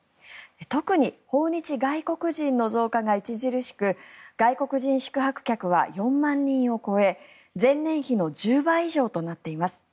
特に訪日外国人の増加が著しく外国人宿泊客は４万人を超え前年比の１０倍以上となっています。